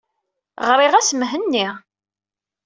Ɣriɣ-as Mhenni.